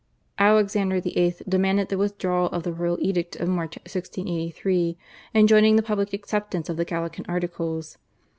Alexander VIII. demanded the withdrawal of the royal edict of March 1683 enjoining the public acceptance of the Gallican Articles.